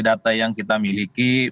data yang kita miliki